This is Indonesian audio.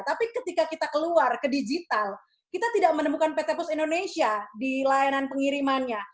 tapi ketika kita keluar ke digital kita tidak menemukan pt pos indonesia di layanan pengirimannya